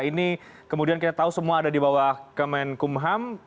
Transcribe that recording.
ini kemudian kita tahu semua ada di bawah kemenkumham